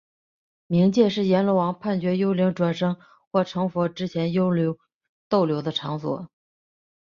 冥界是阎罗王判决幽灵转生或成佛之前幽灵逗留的场所。